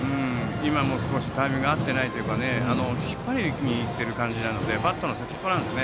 今も少しタイミングが合っていないというか引っ張りにいっている感じなのでバットの先っぽなんです。